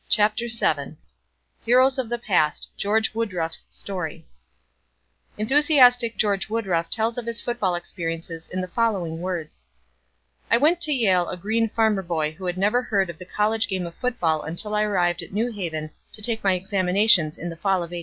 CHAPTER VII HEROES OF THE PAST GEORGE WOODRUFF'S STORY Enthusiastic George Woodruff tells of his football experiences in the following words: "I went to Yale a green farmer boy who had never heard of the college game of football until I arrived at New Haven to take my examinations in the fall of '85.